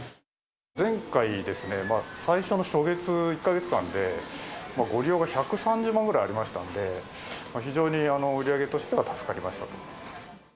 前回、最初の初月１か月間で、ご利用が１３０万ぐらいありましたんで、非常に売り上げとしては助かりました。